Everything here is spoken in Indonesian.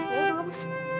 ya mama pusing